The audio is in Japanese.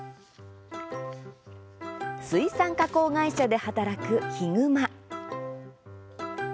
水産加工会社で働く悲熊。